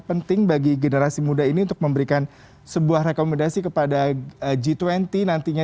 penting bagi generasi muda ini untuk memberikan sebuah rekomendasi kepada g dua puluh nantinya